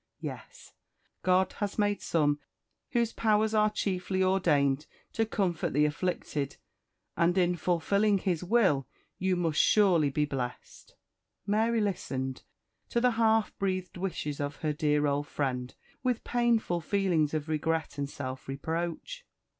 Yes! God has made some whose powers are chiefly ordained to comfort the afflicted, and in fulfilling His will you must surly be blest." Mary listened to the half breathed wishes of her dear old friend with painful feelings of regret and self reproach.